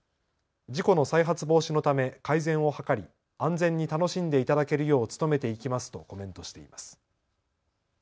事故の再発防止のため改善を図り安全に楽しんでいただけるよう努めていきますとコメントしています。